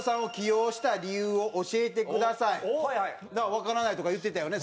わからないとか言ってたよね？